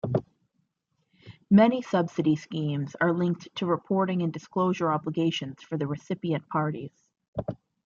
Many subsidy schemes are linked to reporting and disclosure obligations for the recipient parties.